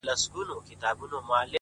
• ستا سترگو كي بيا مرۍ، مرۍ اوښـكي،